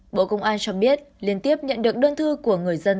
bộ công an cho biết liên tiếp nhận được đơn thư của người dân